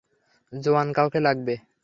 জোয়ান কাউকে লাগবে!